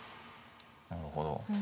なるほど。